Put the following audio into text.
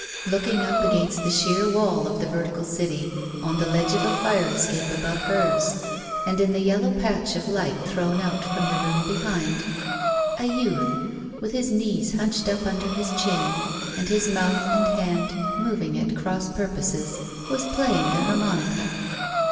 Looking up against the sheer wall of the vertical city, on the ledge of fire escape above hers, and in the yellow patch of light thrown out from the room behind, a youth, with his knees hunched up imder his chin, and his mouth and hand moving at cross purposes, was playing the harmonica.